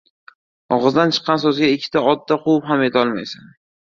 Ogʻizdan chiqqan soʻzga ikkita otda quvib ham yetolmaysan.